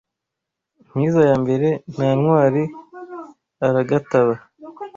Mpiza ya mbere Nta ntwari aragataba